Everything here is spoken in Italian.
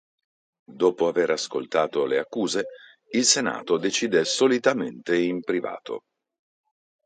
Dopo aver ascoltato le accuse, il Senato decide solitamente in privato.